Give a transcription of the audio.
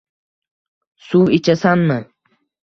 Suv ichasanmi?